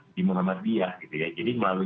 di muhammadiyah jadi melalui